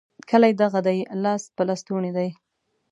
کلی دغه دی؛ لاس په لستوڼي دی.